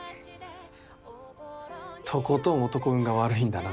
とことん男運が悪いんだな。